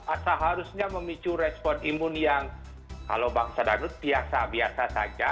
asal harusnya memicu respon imun yang kalau bangsa dangdut biasa biasa saja